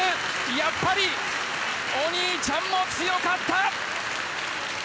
やっぱりお兄ちゃんも強かった。